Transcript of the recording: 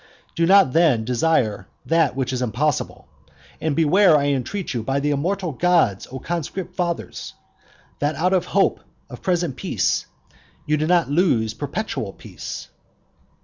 Do not then desire that which is impossible: and beware, I entreat you by the immortal gods, O conscript fathers, that out of hope of present peace you do not lose perpetual peace.